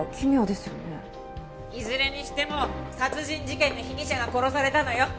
いずれにしても殺人事件の被疑者が殺されたのよ。